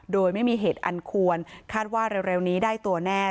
โดยไม่มีเหตุอันควรคาดว่าเร็วนี้ได้ตัวแน่